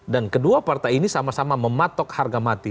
dan kedua partai ini sama sama mematok harga mati